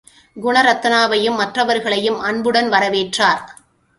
குணரத்னாவையும், மற்றவர்களையும் அன்புடன் வரவேற்றார்.